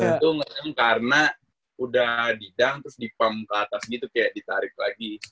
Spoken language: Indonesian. itu ngedang karena udah didang terus dipump ke atas gitu kayak ditarik lagi